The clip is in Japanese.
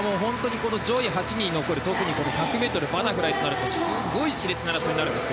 上位８人が残る特に１００ｍバタフライとなるとすごく熾烈な争いになるんです。